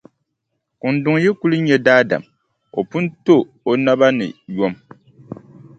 Kunduŋ yi kuli nya daadam, o pun to o naba ni yom.